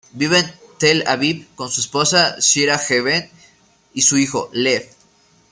Vive en Tel Aviv con su esposa, Shira Geffen, y su hijo, Lev.